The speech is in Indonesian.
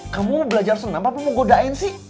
kamu belajar senam apa mau godain sih